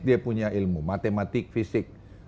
dia punya ilmu matematik fisik